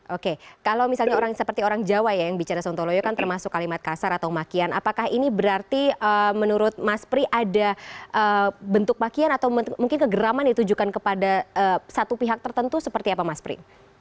oke kalau misalnya seperti orang jawa ya yang bicara sontoloyo kan termasuk kalimat kasar atau makian apakah ini berarti menurut mas pri ada bentuk makian atau mungkin kegeraman ditujukan kepada satu pihak tertentu seperti apa mas pri